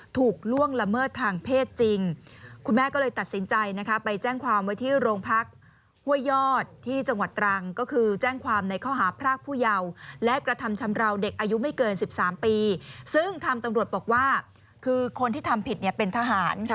ตำรวจบอกว่าคือคนที่ทำผิดเป็นทหาร